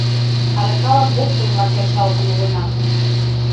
— Аракалан опкынла кержалтын улына.